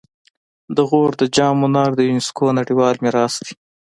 د غور د جام منار د یونسکو نړیوال میراث دی